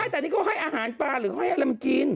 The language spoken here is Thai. ไม่แต่นี่ก็ให้อาหารปลาหรือให้อะไรมันกิน